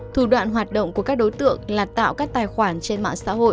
thủ đoạn hoạt động của các đối tượng là tạo các tài khoản trên mạng xã hội